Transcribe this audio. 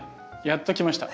やっときました。